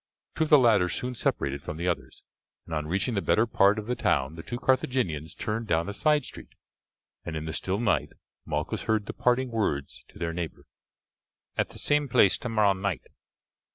Two of the latter soon separated from the others, and on reaching the better part of the town the two Carthaginians turned down a side street, and in the still night Malchus heard the parting words to their neighbour, "At the same place tomorrow night."